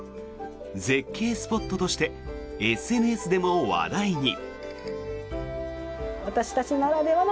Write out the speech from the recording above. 絶景スポットとしてＳＮＳでも話題に。